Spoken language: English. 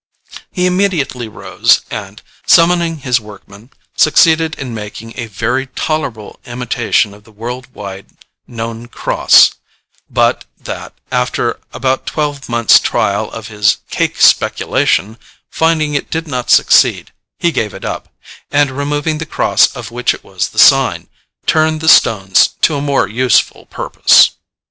He immediately rose, and, summoning his workmen, succeeded in making a very tolerable imitation of the world wide known cross; but that, after about twelve months' trial of his cake speculation, finding it did not succeed, he gave it up; and removing the cross of which it was the sign, turned the stones to a more useful purpose.